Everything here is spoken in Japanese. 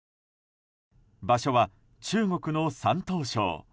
場所は、中国の山東省。